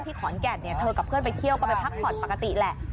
ขอนแก่นเธอกับเพื่อนไปเที่ยวก็ไปพักผ่อนปกติแหละ